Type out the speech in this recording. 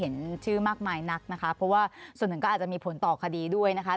เห็นชื่อมากมายนักนะคะเพราะว่าส่วนหนึ่งก็อาจจะมีผลต่อคดีด้วยนะคะ